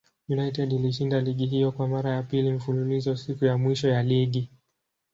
United ilishinda ligi hiyo kwa mara ya pili mfululizo siku ya mwisho ya ligi.